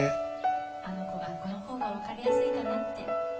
あの子がこの方がわかりやすいかなって